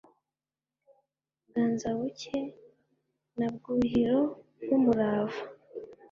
bwanzabuke na bwuhiro bw' umurava,